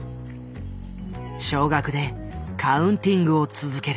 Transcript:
少額でカウンティングを続ける。